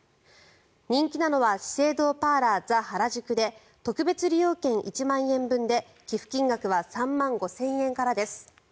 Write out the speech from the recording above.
人気なのは資生堂パーラーザ・ハラジュクで特別利用券１万円分で寄付金額は３万５０００円からです。